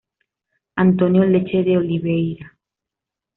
Antonio Leche de Oliveira.